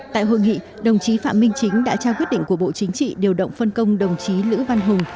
tại hội nghị đồng chí phạm minh chính đã trao quyết định của bộ chính trị điều động phân công đồng chí lữ văn hùng